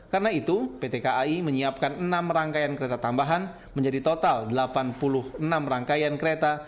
karena itu pt kai menyiapkan enam rangkaian kereta tambahan menjadi total delapan puluh enam rangkaian kereta